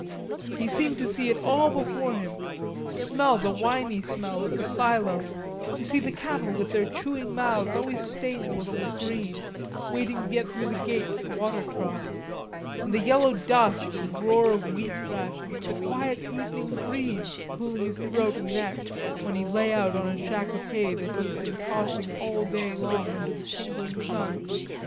He seemed to see it all before him, to smell the winey smell of the silo, to see the cattle, with their chewing mouths always stained a little with green, waiting to get through the gate to the water trough, and the yellow dust and roar of wheat thrashing, and the quiet evening breeze cooling his throat and neck when he lay out on a shack of hay that he had been tossing all day long under the tingling sun.